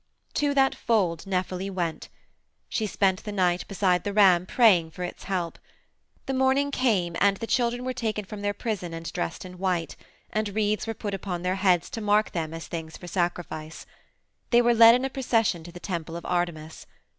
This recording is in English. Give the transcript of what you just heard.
"To that fold Nephele went. She spent the night beside the ram praying for its help. The morning came and the children were taken from their prison and dressed in white, and wreaths were put upon their heads to mark them as things for sacrifice. They were led in a procession to the temple of Artemis.